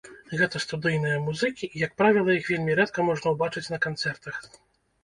Гэта студыйныя музыкі і, як правіла, іх вельмі рэдка можна ўбачыць на канцэртах.